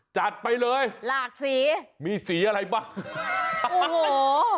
จัดไปเลยหลากสีมีสีอะไรบ้างโอ้โห